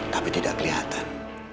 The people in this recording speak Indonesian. tapi tidak kelihatan